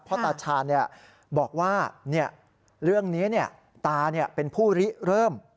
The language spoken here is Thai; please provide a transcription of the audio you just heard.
ตาชาญบอกว่าเรื่องนี้ตาเป็นผู้ริเริ่ม